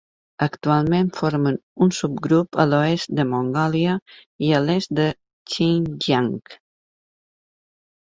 Actualment formen un subgrup a l'oest de Mongòlia i a l'est de Xinjiang.